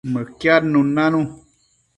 Mëquiadnun nanu